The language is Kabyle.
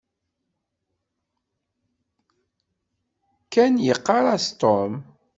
Ken yeɣɣar-as Tom.